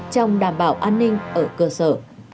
trong đảm bảo an ninh ở cơ sở